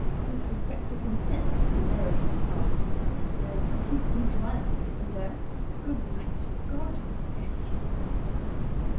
With respect to consents, in the marrying part of the business, there's complete mutuality isn't there? Good night: God bless you!"